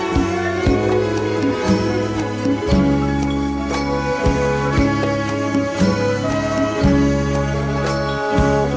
ฝากเพลงเพลง